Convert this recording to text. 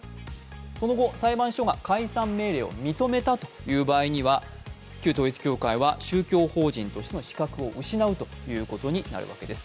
その後、裁判所が解散命令を認めたという場合には旧統一教会は宗教法人としての資格を失うことになります。